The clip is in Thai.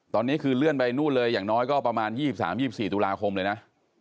ตอนนี้คือเลื่อนไปนู่นเลยอย่างน้อยก็ประมาณ๒๓๒๔ตุลาคมเลยนะ